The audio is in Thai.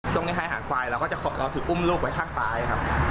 ช่วงในท้ายหาควายเราก็ถืออุ้มลูกไว้ข้างตายครับ